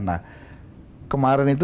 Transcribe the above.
nah kemarin itu